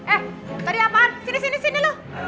eh tadi apaan sini sini sini lu